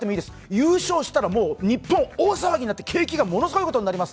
優勝したら日本、大騒ぎになって、景気がものすごいことになります